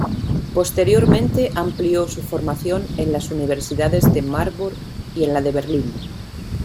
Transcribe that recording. Posteriormente amplió su formación en las Universidades de Marburg y en la de Berlin.